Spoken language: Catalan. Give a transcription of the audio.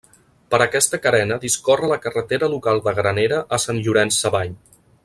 Per aquesta carena discorre la carretera local de Granera a Sant Llorenç Savall.